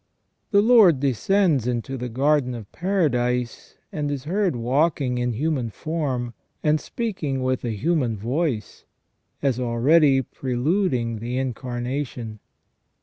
The Lord descends into the garden of paradise, and is heard walking in human form, and speaking with a human voice, as already preluding the Incarnation.